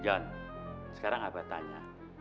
jon sekarang aku ada pertanyaan